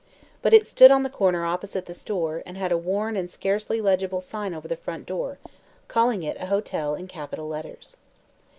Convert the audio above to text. But it stood on the corner opposite the store and had a worn and scarcely legible sign over the front door, calling it a hotel in capital letters.